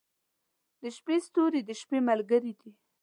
• د شپې ستوري د شپې ملګري دي.